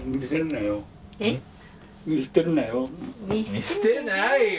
見捨てないよ！